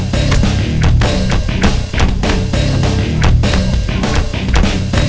terus mereka nyuruh kita berhenti